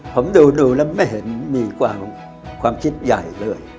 ผมดูแล้วไม่เห็นมีความคิดใหญ่เลย